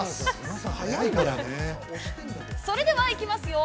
◆それではいきますよ。